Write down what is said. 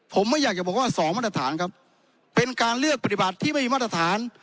ผมไม่อยากจะบอกว่าสองมาตรฐานครับเป็นการเลือกปฏิบัติที่ไม่มีมาตรฐาน